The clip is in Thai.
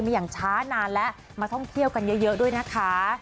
อย่างช้านานแล้วมาท่องเที่ยวกันเยอะด้วยนะคะ